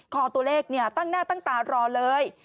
คอตัวเลขตั้งหน้าตั้งตารอเลย